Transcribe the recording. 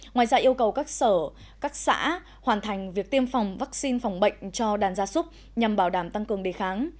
ngoài ra yêu cầu các sở các xã hoàn thành việc tiêm phòng vaccine phòng bệnh cho đàn gia súc nhằm bảo đảm tăng cường đề kháng